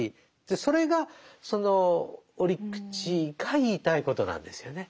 それがその折口が言いたいことなんですよね。